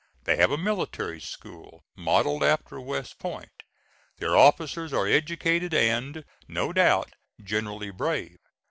They have a military school modelled after West Point. Their officers are educated and, no doubt, generally brave.